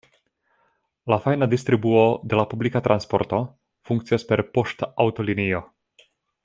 La fajna distribuo de la publika transporto funkcias per poŝtaŭtolinio.